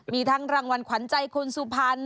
มีทั้งรางวัลขวัญใจคนสุพรรณ